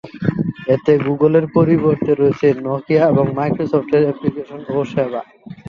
এতে গুগলের পরিবর্তে রয়েছে নকিয়া এবং মাইক্রোসফটের অ্যাপ্লিকেশন ও সেবা।